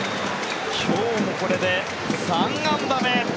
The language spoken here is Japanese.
今日もこれで３安打目。